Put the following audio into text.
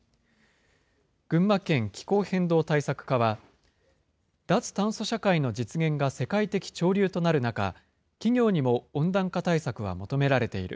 群馬県気候変動対策課は、脱炭素社会の実現が世界的潮流となる中、企業にも温暖化対策は求められている。